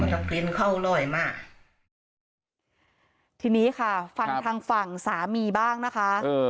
มันจะกลิ้นเข้าลอยมากทีนี้ค่ะครับฟันทางฝั่งสามีบ้างนะคะเออ